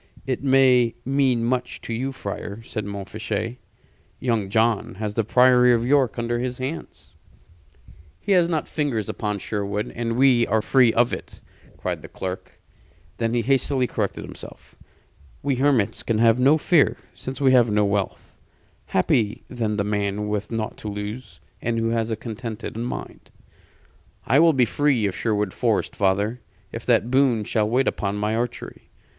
"It may mean much to you, friar," said Montfichet. "Young John has the Priory of York under his hands." "He has not fingers upon Sherwood, and we are free of it!" cried the clerk. Then he hastily corrected himself. "We hermits can have no fear, since we have no wealth. Happy then the man with naught to lose, and who has a contented mind." "I will be free of Sherwood Forest, father, if that boon shall wait upon my archery.